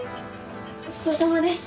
ごちそうさまでした。